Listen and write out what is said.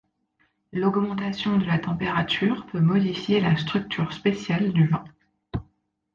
L'augmentation de la température peut modifier la structure spéciale du vin.